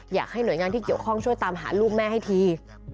อยากให้หน่วยงานที่เกี่ยวข้องช่วยตามหาลูกแม่ให้ที